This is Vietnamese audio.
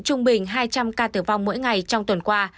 trung bình hai trăm linh ca tử vong mỗi ngày trong tuần qua